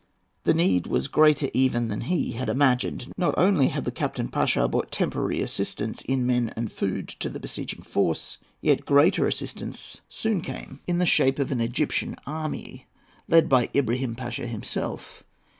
The need was greater even than he imagined. Not only had the Capitan Pasha brought temporary assistance, in men and food, to the besieging force. Yet greater assistance soon came in the shape of an Egyptian army, led by Ibrahim Pasha himself.